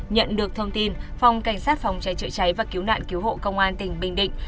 nhận được thông tin phòng cảnh sát phòng cháy chữa cháy và cứu nạn cứu hộ công an tỉnh bình định